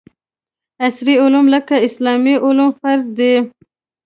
عصري علوم لکه اسلامي علوم فرض دي